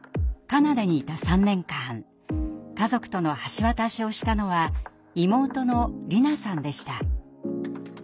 カナダにいた３年間家族との橋渡しをしたのは妹の里奈さんでした。